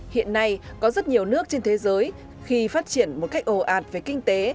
hiện nay có rất nhiều nước trên thế giới khi phát triển một cách ồ ạt về kinh tế